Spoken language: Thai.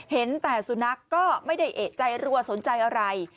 เห็นแต่สุนัขก็ไม่ได้เอกใจรัวสนใจอะไร